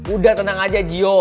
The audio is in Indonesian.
udah tenang aja gio